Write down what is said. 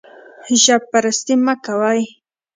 ژب پرستي مه کوئ